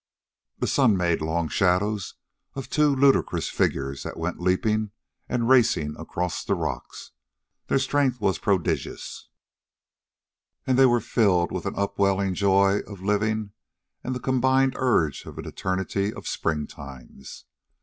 The sun made long shadows of two ludicrous figures that went leaping and racing across the rocks. Their strength was prodigious, and they were filled with an upwelling joy of living and the combined urge of an eternity of spring times.